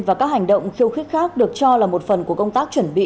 và các hành động khiêu khích khác được cho là một phần của công tác chuẩn bị